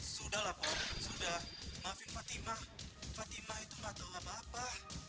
sudah lapor sudah maafin fatimah fatimah itu nggak tahu apa apa